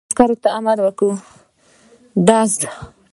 رئیس جمهور خپلو عسکرو ته امر وکړ؛ ډز!